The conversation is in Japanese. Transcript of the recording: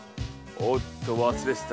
おっと忘れてた。